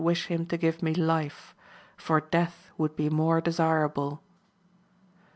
vnsh him to give me life ; for death would be more desii able.